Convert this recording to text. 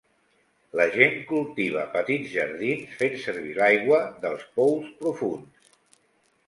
La gent cultiva petits jardins fent servir l'aigua dels pous profunds.